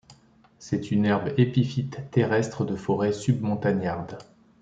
C'est une herbe épiphyte terrestre de forêt submontagnarde.